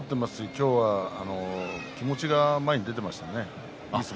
今日は気持ちが前に出ていました。